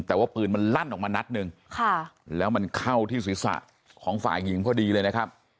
แต่ว่าปืนมันลั่นออกมานัดหนึ่งค่ะแล้วมันเข้าที่ศีรษะของฝ่ายหญิงพอดีเลยนะครับ